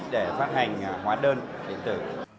để phát hành hóa đơn điện tử